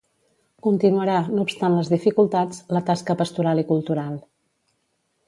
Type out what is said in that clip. Continuarà, no obstant les dificultats, la tasca pastoral i cultural.